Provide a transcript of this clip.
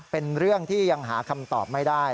เป็นเรื่องที่ยังหาคำตอบไม่ได้